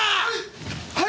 はい！